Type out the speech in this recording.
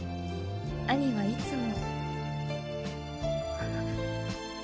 兄はいつも。